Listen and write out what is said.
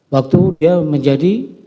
waktu dia menjadi